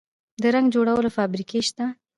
د رنګ جوړولو فابریکې شته